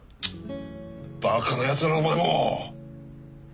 バカなやつだなお前も！